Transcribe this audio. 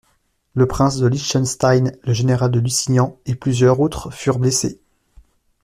Le prince de Liechtenstein, le général de Lusignan et plusieurs autres furent blessés.